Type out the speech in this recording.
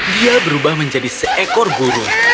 dia berubah menjadi seekor burung